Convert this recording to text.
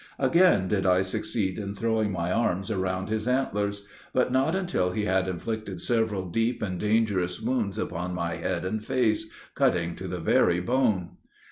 Again did I succeed in throwing my arms around his antlers, but not until he had inflicted several deep and dangerous wounds upon my head and face, cutting to the very bone.